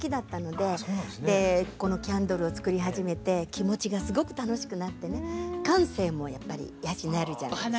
でこのキャンドルを作り始めて気持ちがすごく楽しくなってね感性もやっぱり養えるじゃないですか。